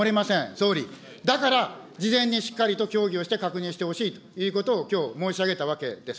総理、だから、事前にしっかりと協議をして確認してほしいということをきょう、申し上げたわけです。